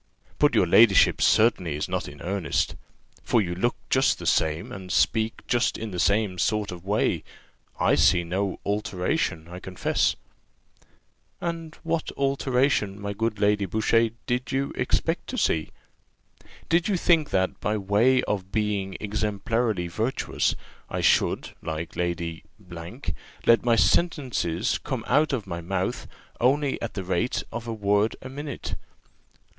But your ladyship certainly is not in earnest? for you look just the same, and speak just in the same sort of way: I see no alteration, I confess." "And what alteration, my good Lady Boucher, did you expect to see? Did you think that, by way of being exemplarily virtuous, I should, like Lady Q , let my sentences come out of my mouth only at the rate of a word a minute?